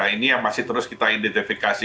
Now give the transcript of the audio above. ini yang masih terus kita identifikasi